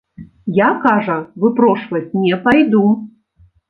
Я, кажа, выпрошваць не пайду.